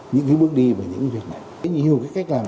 những cái bước đi về những việc này